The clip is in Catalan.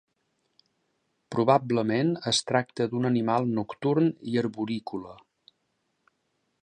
Probablement es tracta d'un animal nocturn i arborícola.